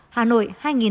hà nội hai tám trăm ba mươi